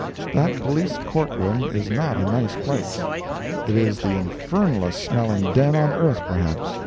That Police Court room is not a nice place. It is the infernalest smelling den on earth, perhaps.